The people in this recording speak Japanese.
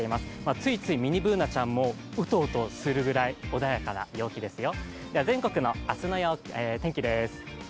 ついついミニＢｏｏｎａちゃんもうとうとするぐらい穏やかな陽気ですよ。